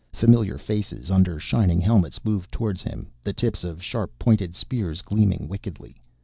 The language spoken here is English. Familiar faces, under shining helmets, moved towards him; the tips of sharp pointed spears gleaming wickedly.